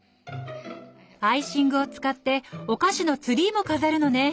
アイシングを使ってお菓子のツリーも飾るのね。